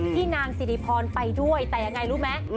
นางสิริพรไปด้วยแต่ยังไงรู้ไหม